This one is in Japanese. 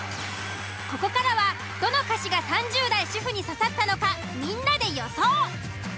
ここからはどの歌詞が３０代主婦に刺さったのかみんなで予想。